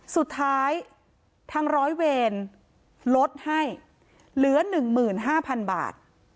สุดท้ายทางร้อยเวรลดให้เหลือหนึ่งหมื่นห้าพันบาท